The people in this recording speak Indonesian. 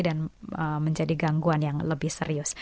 dan menjadi gangguan yang lebih serius